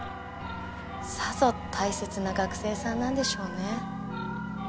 さぞ大切な学生さんなんでしょうね。